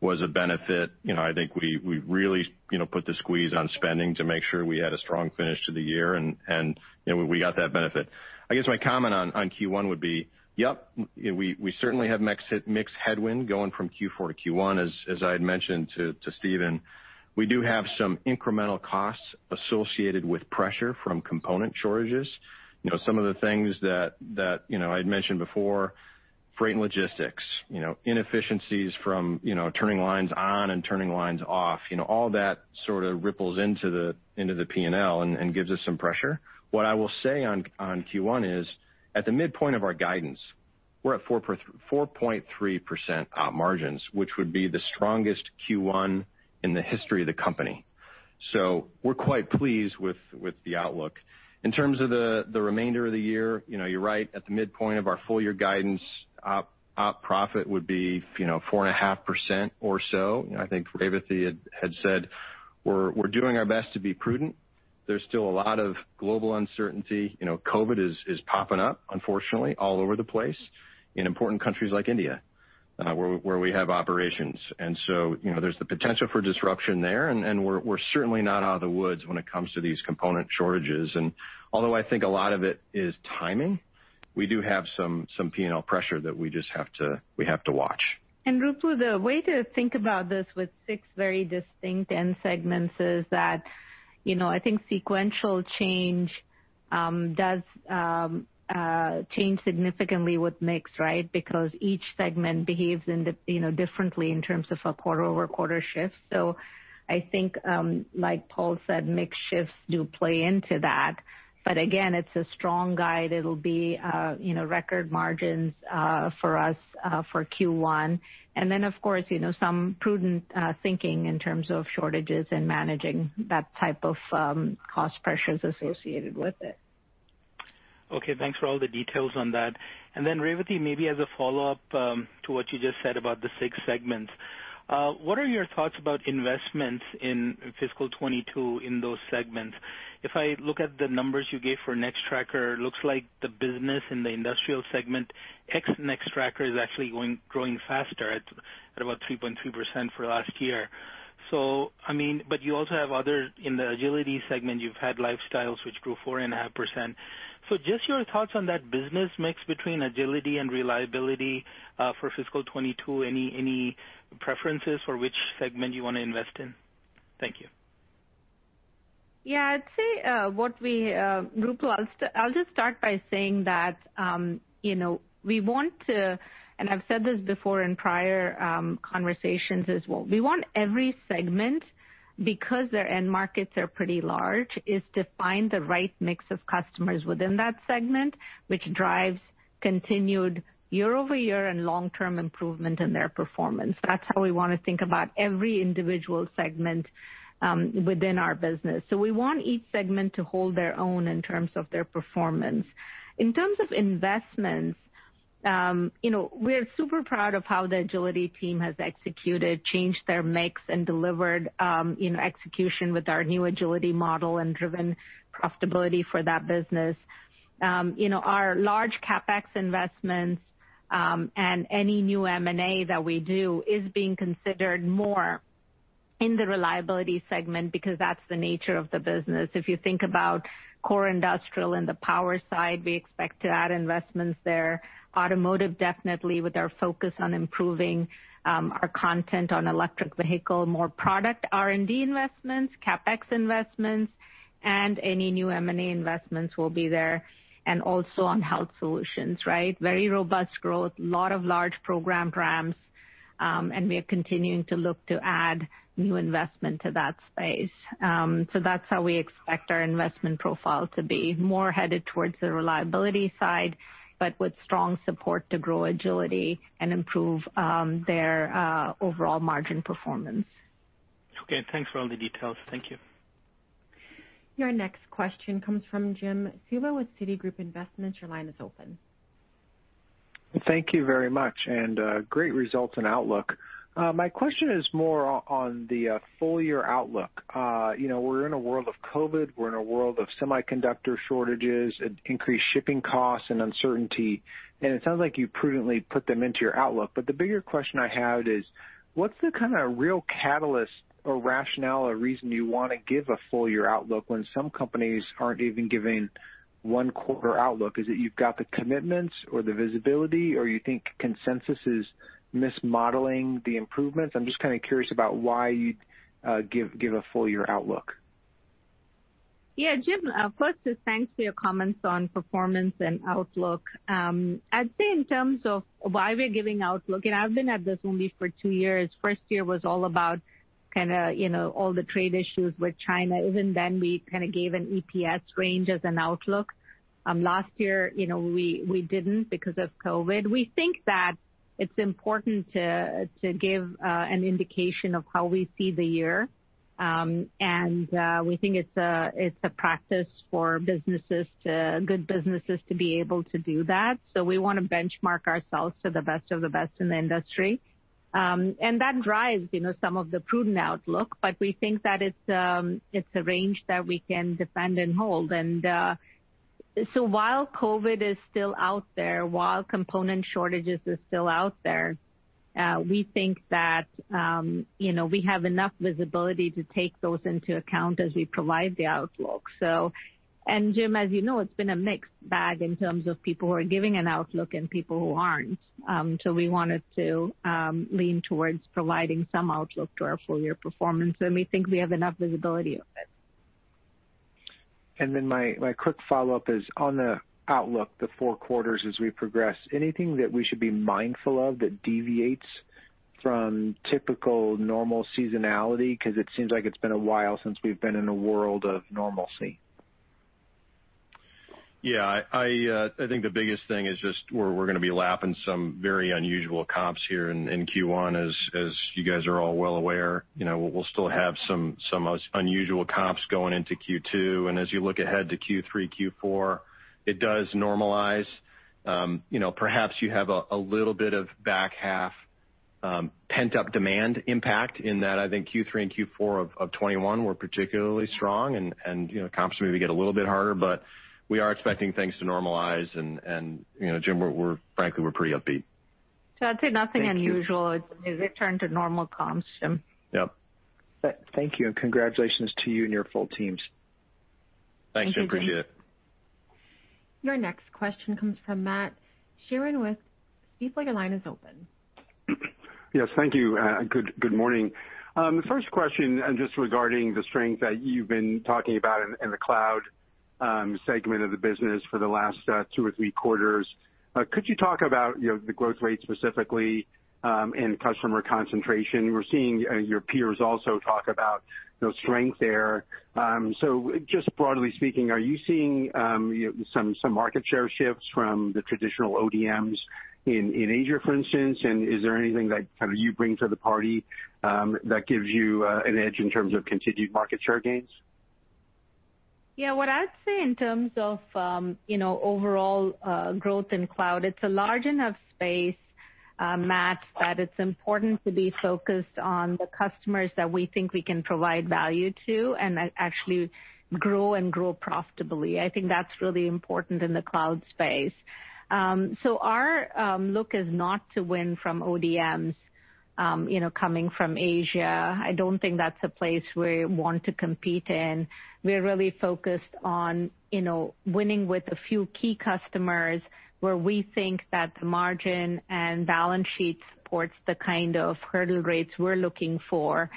was a benefit. I think we really put the squeeze on spending to make sure we had a strong finish to the year, and we got that benefit. I guess my comment on Q1 would be, yep, we certainly have mixed headwind going from Q4 to Q1, as I had mentioned to Steven. We do have some incremental costs associated with pressure from component shortages. Some of the things that I had mentioned before, freight and logistics, inefficiencies from turning lines on and turning lines off, all that sort of ripples into the P&L and gives us some pressure. What I will say on Q1 is, at the midpoint of our guidance, we're at 4.3% margins, which would be the strongest Q1 in the history of the company. So we're quite pleased with the outlook. In terms of the remainder of the year, you're right, at the midpoint of our full year guidance, profit would be 4.5% or so. I think Revathi had said, "We're doing our best to be prudent. There's still a lot of global uncertainty. COVID is popping up, unfortunately, all over the place in important countries like India where we have operations." And so there's the potential for disruption there, and we're certainly not out of the woods when it comes to these component shortages. And although I think a lot of it is timing, we do have some P&L pressure that we just have to watch. And Ruplu, the way to think about this with six very distinct end segments is that I think sequential change does change significantly with mix, right? Because each segment behaves differently in terms of a quarter over quarter shift. So I think, like Paul said, mixed shifts do play into that. But again, it's a strong guide. It'll be record margins for us for Q1. And then, of course, some prudent thinking in terms of shortages and managing that type of cost pressures associated with it. Okay. Thanks for all the details on that. And then, Revathi, maybe as a follow-up to what you just said about the six segments, what are your thoughts about investments in fiscal 2022 in those segments? If I look at the numbers you gave for Nextracker, it looks like the business in the industrial segment, ex-Nextracker, is actually growing faster at about 3.3% for the last year. So, I mean, but you also have other in the agility segment, you've had Lifestyle, which grew 4.5%. So just your thoughts on that business mix between agility and reliability for fiscal 2022? Any preferences for which segment you want to invest in? Thank you. Yeah, I'd say, Ruplu, I'll just start by saying that we want to, and I've said this before in prior conversations as well, we want every segment, because their end markets are pretty large, is to find the right mix of customers within that segment, which drives continued year-over-year and long-term improvement in their performance. That's how we want to think about every individual segment within our business. So we want each segment to hold their own in terms of their performance. In terms of investments, we're super proud of how the Agility team has executed, changed their mix, and delivered execution with our new Agility model and driven profitability for that business. Our large CapEx investments and any new M&A that we do is being considered more in the reliability segment because that's the nature of the business. If you think about core industrial and the power side, we expect to add investments there. Automotive, definitely, with our focus on improving our content on electric vehicle, more product R&D investments, CapEx investments, and any new M&A investments will be there. And also on health solutions, right? Very robust growth, a lot of large program ramps, and we are continuing to look to add new investment to that space. So that's how we expect our investment profile to be more headed towards the reliability side, but with strong support to grow agility and improve their overall margin performance. Okay. Thanks for all the details. Thank you. Your next question comes from Jim Suva with Citigroup. Your line is open. Thank you very much, and great results and outlook. My question is more on the full year outlook. We're in a world of COVID. We're in a world of semiconductor shortages, increased shipping costs, and uncertainty, and it sounds like you prudently put them into your outlook, but the bigger question I have is, what's the kind of real catalyst or rationale or reason you want to give a full year outlook when some companies aren't even giving one quarter outlook? Is it you've got the commitments or the visibility, or you think consensus is mismodeling the improvements? I'm just kind of curious about why you'd give a full year outlook. Yeah, Jim, first, just thanks for your comments on performance and outlook. I'd say in terms of why we're giving outlook, and I've been at this only for two years. First year was all about kind of all the trade issues with China. Even then, we kind of gave an EPS range as an outlook. Last year, we didn't because of COVID. We think that it's important to give an indication of how we see the year, and we think it's a practice for good businesses to be able to do that, so we want to benchmark ourselves to the best of the best in the industry, and that drives some of the prudent outlook, but we think that it's a range that we can defend and hold, and so while COVID is still out there, while component shortages are still out there, we think that we have enough visibility to take those into account as we provide the outlook. And Jim, as you know, it's been a mixed bag in terms of people who are giving an outlook and people who aren't. So we wanted to lean towards providing some outlook to our full year performance. And we think we have enough visibility of it. And then my quick follow-up is on the outlook, the four quarters as we progress, anything that we should be mindful of that deviates from typical normal seasonality? Because it seems like it's been a while since we've been in a world of normalcy. Yeah. I think the biggest thing is just we're going to be lapping some very unusual comps here in Q1, as you guys are all well aware. We'll still have some unusual comps going into Q2. And as you look ahead to Q3, Q4, it does normalize. Perhaps you have a little bit of back half pent-up demand impact in that I think Q3 and Q4 of 2021 were particularly strong, and comps maybe get a little bit harder. But we are expecting things to normalize. And Jim, frankly, we're pretty upbeat. So I'd say nothing unusual. It's returned to normal comps, Jim. Yep. Thank you. And congratulations to you and your full teams. Thank you. Thanks, Jim. Appreciate it. Your next question comes from Matt Sheerin with Stifel. Your line is open. Yes. Thank you. Good morning. The first question just regarding the strength that you've been talking about in the cloud segment of the business for the last two or three quarters. Could you talk about the growth rate specifically and customer concentration? We're seeing your peers also talk about strength there. So just broadly speaking, are you seeing some market share shifts from the traditional ODMs in Asia, for instance? And is there anything that kind of you bring to the party that gives you an edge in terms of continued market share gains? Yeah. What I'd say in terms of overall growth in cloud, it's a large enough space, Matt, that it's important to be focused on the customers that we think we can provide value to and actually grow and grow profitably. I think that's really important in the cloud space. So our look is not to win from ODMs coming from Asia. I don't think that's a place we want to compete in. We're really focused on winning with a few key customers where we think that the margin and balance sheet supports the kind of hurdle rates we're looking for.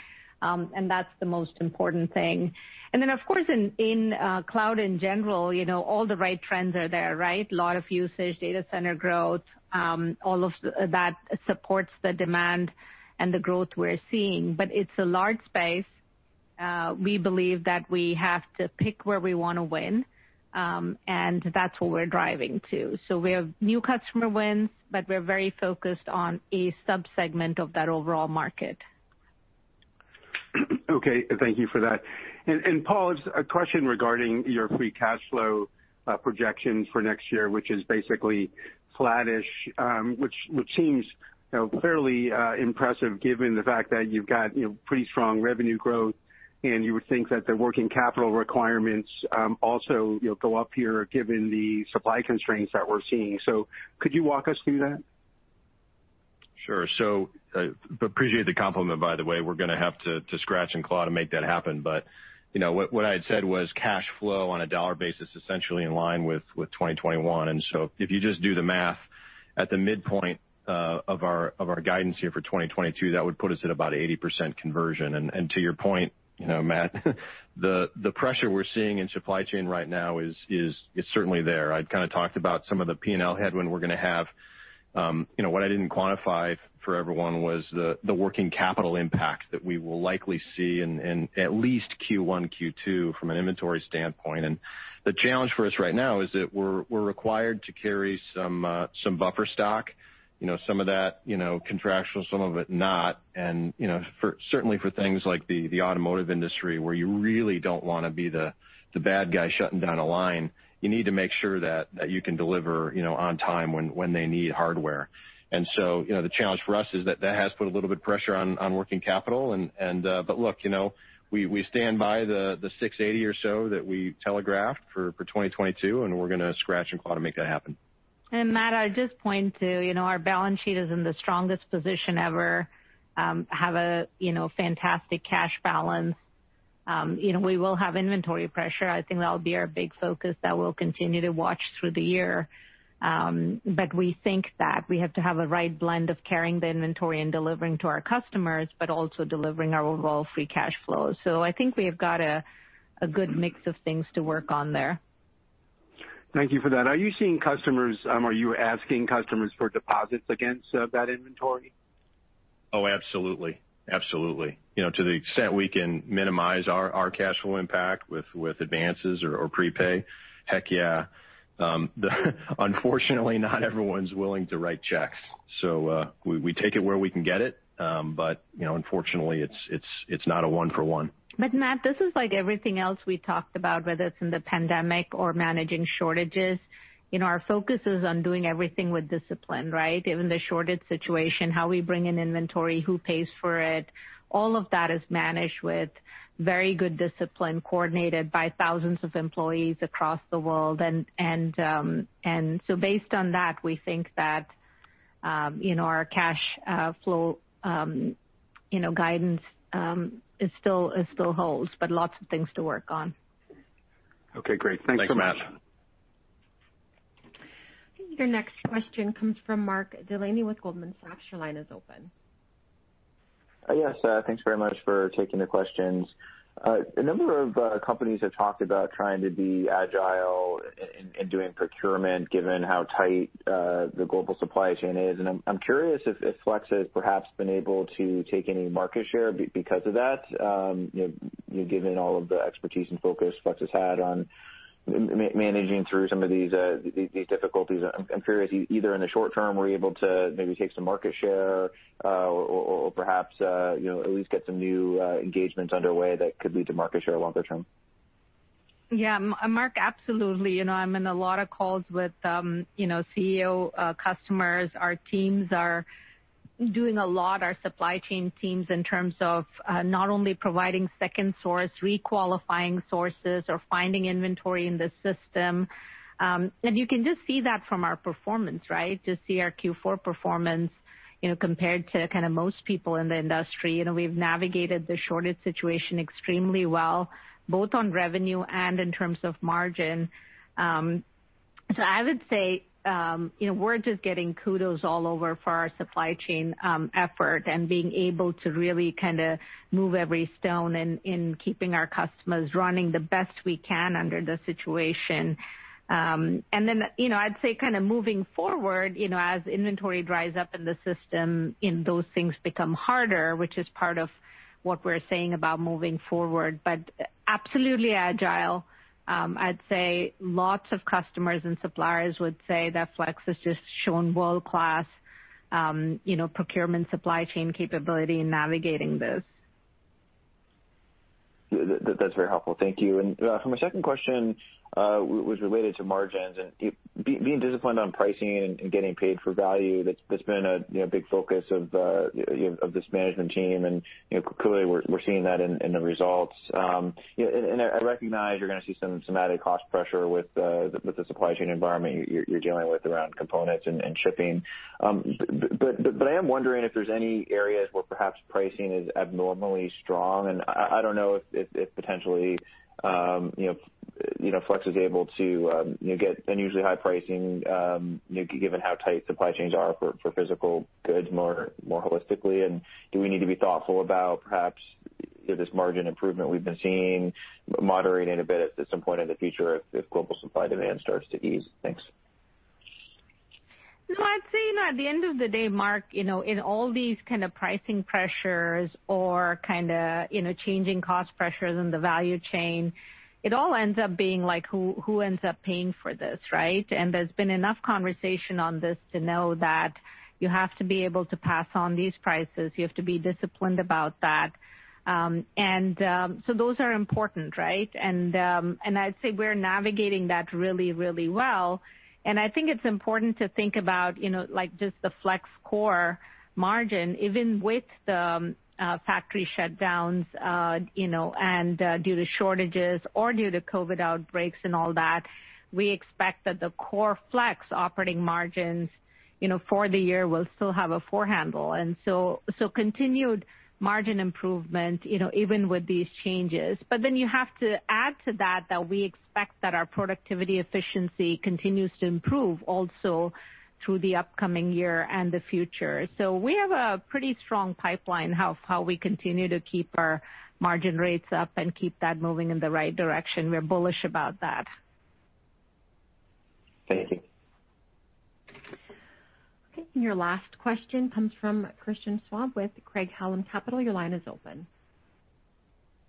And that's the most important thing. And then, of course, in cloud in general, all the right trends are there, right? A lot of usage, data center growth, all of that supports the demand and the growth we're seeing. But it's a large space. We believe that we have to pick where we want to win, and that's what we're driving to. So we have new customer wins, but we're very focused on a subsegment of that overall market. Okay. Thank you for that. And Paul, a question regarding your free cash flow projections for next year, which is basically flattish, which seems fairly impressive given the fact that you've got pretty strong revenue growth, and you would think that the working capital requirements also go up here given the supply constraints that we're seeing. So could you walk us through that? Sure. So I appreciate the compliment, by the way. We're going to have to scratch and claw to make that happen. But what I had said was cash flow on a dollar basis essentially in line with 2021. And so if you just do the math at the midpoint of our guidance here for 2022, that would put us at about 80% conversion. And to your point, Matt, the pressure we're seeing in supply chain right now is certainly there. I'd kind of talked about some of the P&L headwind we're going to have. What I didn't quantify for everyone was the working capital impact that we will likely see in at least Q1, Q2 from an inventory standpoint. And the challenge for us right now is that we're required to carry some buffer stock, some of that contractual, some of it not. And certainly for things like the automotive industry where you really don't want to be the bad guy shutting down a line, you need to make sure that you can deliver on time when they need hardware. And so the challenge for us is that that has put a little bit of pressure on working capital. But look, we stand by the 680 or so that we telegraphed for 2022, and we're going to scratch and claw to make that happen. And Matt, I just point to our balance sheet is in the strongest position ever. We have a fantastic cash balance. We will have inventory pressure. I think that'll be our big focus that we'll continue to watch through the year. But we think that we have to have a right blend of carrying the inventory and delivering to our customers, but also delivering our overall free cash flow. So I think we have got a good mix of things to work on there. Thank you for that. Are you seeing customers? Are you asking customers for deposits against that inventory? Oh, absolutely. Absolutely. To the extent we can minimize our cash flow impact with advances or prepay, heck yeah. Unfortunately, not everyone's willing to write checks. So we take it where we can get it. But unfortunately, it's not a one-for-one. But Matt, this is like everything else we talked about, whether it's in the pandemic or managing shortages. Our focus is on doing everything with discipline, right? Even the shortage situation, how we bring in inventory, who pays for it, all of that is managed with very good discipline, coordinated by thousands of employees across the world. And so based on that, we think that our cash flow guidance is still holds, but lots of things to work on. Okay. Great. Thanks, Matt. Your next question comes from Mark Delaney with Goldman Sachs. Your line is open. Yes. Thanks very much for taking the questions. A number of companies have talked about trying to be agile in doing procurement given how tight the global supply chain is. And I'm curious if Flex has perhaps been able to take any market share because of that, given all of the expertise and focus Flex has had on managing through some of these difficulties. I'm curious, either in the short term, were you able to maybe take some market share or perhaps at least get some new engagements underway that could lead to market share longer term? Yeah. Mark, absolutely. I'm in a lot of calls with CEO customers. Our teams are doing a lot, our supply chain teams in terms of not only providing second source, requalifying sources, or finding inventory in the system, and you can just see that from our performance, right? Just see our Q4 performance compared to kind of most people in the industry. We've navigated the shortage situation extremely well, both on revenue and in terms of margin, so I would say we're just getting kudos all over for our supply chain effort and being able to really kind of move every stone in keeping our customers running the best we can under the situation, and then I'd say kind of moving forward, as inventory dries up in the system, those things become harder, which is part of what we're saying about moving forward. But absolutely agile, I'd say lots of customers and suppliers would say that Flex has just shown world-class procurement supply chain capability in navigating this. That's very helpful. Thank you. And my second question was related to margins and being disciplined on pricing and getting paid for value. That's been a big focus of this management team. And clearly, we're seeing that in the results. And I recognize you're going to see some added cost pressure with the supply chain environment you're dealing with around components and shipping. But I am wondering if there's any areas where perhaps pricing is abnormally strong. And I don't know if potentially Flex is able to get unusually high pricing given how tight supply chains are for physical goods more holistically. And do we need to be thoughtful about perhaps this margin improvement we've been seeing, moderating a bit at some point in the future if global supply demand starts to ease? Thanks. No, I'd say at the end of the day, Mark, in all these kind of pricing pressures or kind of changing cost pressures in the value chain, it all ends up being like, who ends up paying for this, right? And there's been enough conversation on this to know that you have to be able to pass on these prices. You have to be disciplined about that. And so those are important, right? And I'd say we're navigating that really, really well. I think it's important to think about just the Flex core margin, even with the factory shutdowns and due to shortages or due to COVID outbreaks and all that. We expect that the core Flex operating margins for the year will still have a four handle. So continued margin improvement, even with these changes. But then you have to add to that that we expect that our productivity efficiency continues to improve also through the upcoming year and the future. So we have a pretty strong pipeline of how we continue to keep our margin rates up and keep that moving in the right direction. We're bullish about that. Thank you. Okay. Your last question comes from Christian Schwab with Craig-Hallum Capital. Your line is open.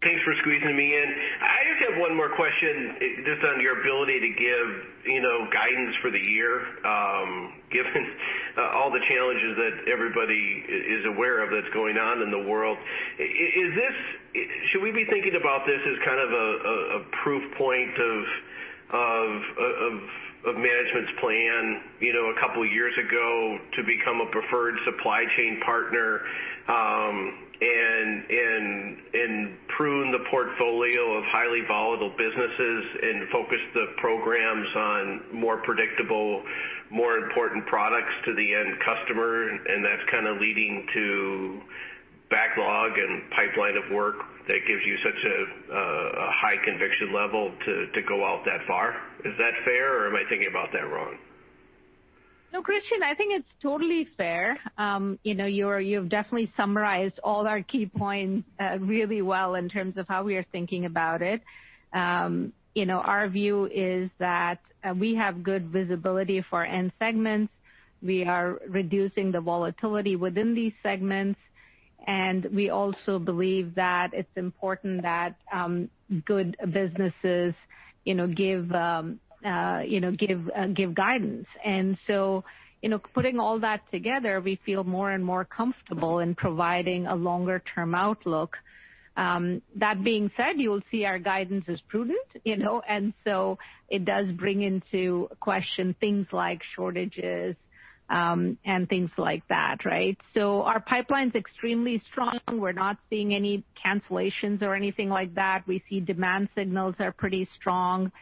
Thanks for squeezing me in. I just have one more question just on your ability to give guidance for the year, given all the challenges that everybody is aware of that's going on in the world. Should we be thinking about this as kind of a proof point of management's plan a couple of years ago to become a preferred supply chain partner and prune the portfolio of highly volatile businesses and focus the programs on more predictable, more important products to the end customer, and that's kind of leading to backlog and pipeline of work that gives you such a high conviction level to go out that far. Is that fair, or am I thinking about that wrong? No, Christian, I think it's totally fair. You've definitely summarized all our key points really well in terms of how we are thinking about it. Our view is that we have good visibility for end segments. We are reducing the volatility within these segments. And we also believe that it's important that good businesses give guidance. And so putting all that together, we feel more and more comfortable in providing a longer-term outlook. That being said, you'll see our guidance is prudent. And so it does bring into question things like shortages and things like that, right? So our pipeline is extremely strong. We're not seeing any cancellations or anything like that. We see demand signals are pretty strong.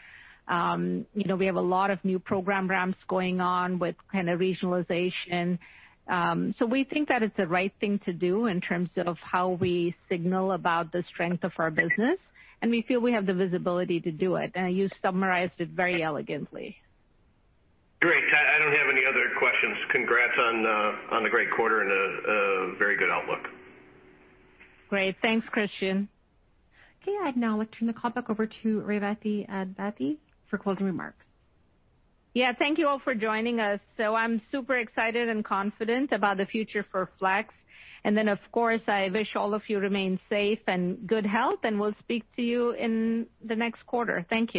We have a lot of new program ramps going on with kind of regionalization. So we think that it's the right thing to do in terms of how we signal about the strength of our business. And we feel we have the visibility to do it. And you summarized it very elegantly. Great. I don't have any other questions. Congrats on the great quarter and a very good outlook. Great. Thanks, Christian. Okay. I'd now like to turn the call back over to Revathi Advaithi for closing remarks. Yeah. Thank you all for joining us. So I'm super excited and confident about the future for Flex. And then, of course, I wish all of you remain safe and good health, and we'll speak to you in the next quarter. Thank you.